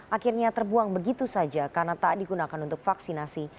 akhirnya terbuang begitu saja karena tak digunakan untuk vaksinasi